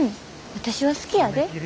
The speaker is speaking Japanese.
私は好きやで。